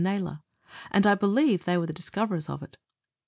Naylor, and believe they were the dis coverers of it.